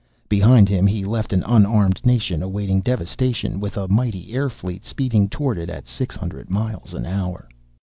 Behind him he left an unarmed nation awaiting devastation, with a mighty air fleet speeding toward it at six hundred miles an hour.